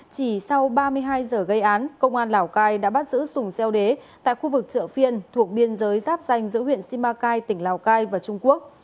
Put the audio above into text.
chỉ sau ba mươi hai giờ gây án công an lào cai đã bắt giữ sùng xeo đế tại khu vực chợ phiên thuộc biên giới giáp danh giữa huyện simacai tỉnh lào cai và trung quốc